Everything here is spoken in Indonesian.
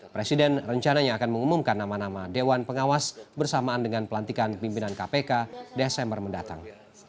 presiden rencananya akan mengumumkan nama nama dewan pengawas bersamaan dengan pelantikan pimpinan kpk desember mendatang